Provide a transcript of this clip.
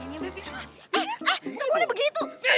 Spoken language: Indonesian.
eh eh jangan boleh begitu